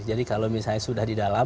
jadi kalau misalnya sudah di dalam